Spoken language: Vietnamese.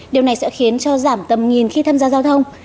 điều này sẽ khiến cho giảm tầm nhìn khi tham gia giao thông